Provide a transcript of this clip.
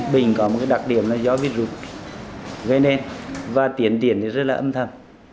bình có một đặc điểm là do vi rụt gây nên và tiến tiến rất là âm thầm